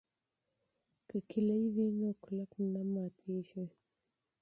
که کیلي وي نو قفل نه پاتیږي.